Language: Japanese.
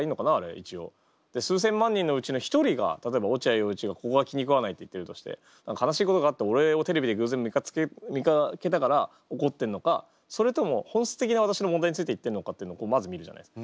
一応。で数千万人のうちの一人が例えば落合陽一のここが気にくわないって言ってるとして悲しいことがあって俺をテレビで偶然見かけたから怒ってんのかそれとも本質的な私の問題について言ってんのかっていうのをまず見るじゃないですか。